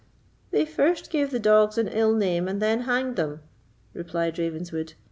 "They first gave the dogs an ill name, and then hanged them," replied Ravenswood.